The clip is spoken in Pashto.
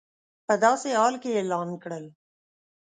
په داسې حال کې اعلان کړل